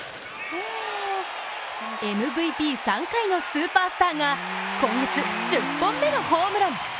ＭＶＰ３回のスーパースターが今月１０本目のホームラン！